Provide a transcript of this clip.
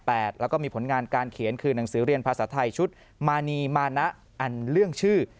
แล้วก็มีผลงานการเขียนคือหนังสือเรียนภาษาไทยชุดมานีมานะอันเรื่องชื่อ